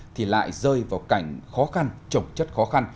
thì lại rơi vào cảnh khó khăn trọng chất khó khăn